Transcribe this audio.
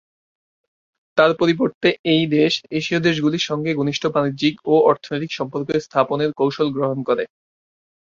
তার পরিবর্তে এই দেশ এশীয় দেশগুলির সঙ্গে ঘনিষ্ঠ বাণিজ্যিক ও অর্থনৈতিক সম্পর্ক স্থাপনের কৌশল গ্রহণ করে।